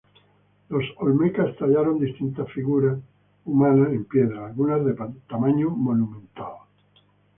Los olmecas tallaron distintivas figuras humanas en piedra, algunas de tamaño monumental.